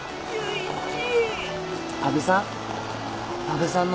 安部さん。